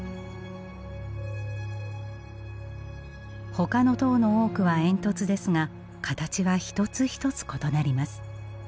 ほかの塔の多くは煙突ですが形は一つ一つ異なります。